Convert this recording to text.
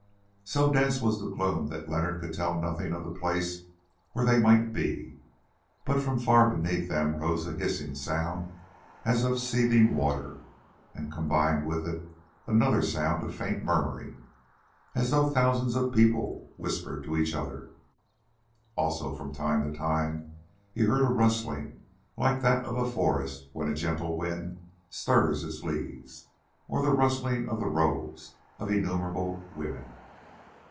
So dense was the gloom that Leonard could tell nothing of the place where they might be, but from far beneath them rose a hissing sound as of seething water, and combined with it another sound of faint murmuring, as though thousands of people whispered each to each. Also from time to time he heard a rustling like that of a forest when a gentle wind stirs its leaves, or the rustling of the robes of innumerable women.